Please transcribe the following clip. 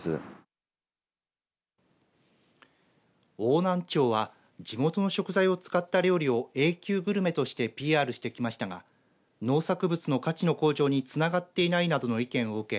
邑南町は地元の食材を使った料理をＡ級グルメとしてＰＲしてきましたが農作物の価値の向上につながっていないなどの意見を受け